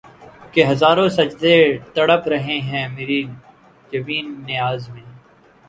کہ ہزاروں سجدے تڑپ رہے ہیں مری جبین نیاز میں